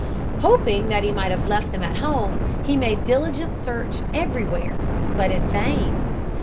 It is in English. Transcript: Hoping that he might have left them at home, he made diligent search everywhere, but in vain.